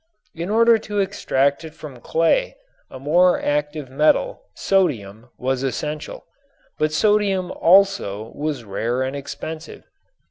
In order to extract it from clay a more active metal, sodium, was essential. But sodium also was rare and expensive.